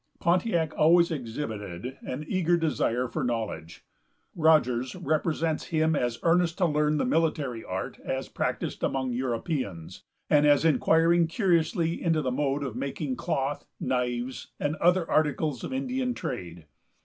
Pontiac always exhibited an eager desire for knowledge. Rogers represents him as earnest to learn the military art as practised among Europeans, and as inquiring curiously into the mode of making cloth, knives, and the other articles of Indian trade.